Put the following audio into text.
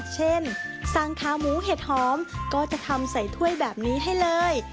เช่นสั่งขาหมูเห็ดหอมก็จะทำใส่ถ้วยแบบนี้ให้เลย